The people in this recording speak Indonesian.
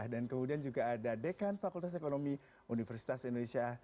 dan kemudian juga ada dekan fakultas ekonomi universitas indonesia